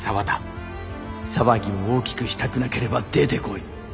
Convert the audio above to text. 騒ぎを大きくしたくなければ出てこい。